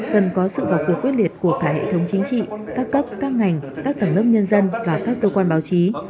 cần có sự vào cuộc quyết liệt của cả hệ thống chính trị các cấp các ngành các tầng lớp nhân dân và các cơ quan báo chí